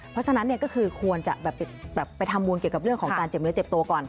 เพราะฉะนั้นก็คือควรจะไปทำบุญเกี่ยวกับเรื่องของการเจ็บเนื้อเจ็บตัวก่อน